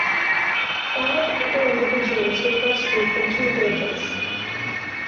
Five other individuals were rescued from two vehicles.